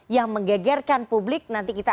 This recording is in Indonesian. yang menggegerkan publik nanti kita